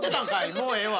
もうええわ。